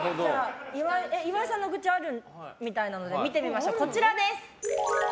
岩井さんの愚痴あるみたいなので見てみましょう。